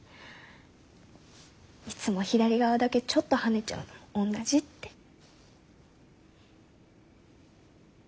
いつも左側だけちょっとはねちゃうのもおんなじ」って。